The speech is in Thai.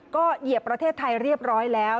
ก็เหยียบประเทศไทยเรียบร้อยแล้ว